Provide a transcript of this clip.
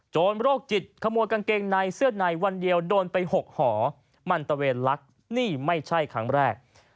โรคจิตขโมยกางเกงในเสื้อในวันเดียวโดนไป๖หอมันตะเวนลักนี่ไม่ใช่ครั้งแรก